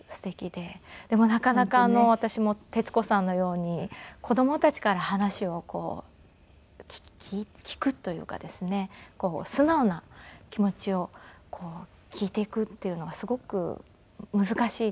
でもなかなか私も徹子さんのように子供たちから話を聞くというかですね素直な気持ちを聞いていくっていうのがすごく難しいというか。